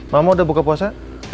mama udah buka puasa